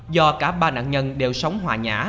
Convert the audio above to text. do cả ba nạn nhân đều sống hòa nhã